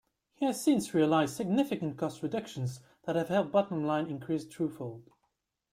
He has since realized significant cost reductions that have helped bottom line increase twofold.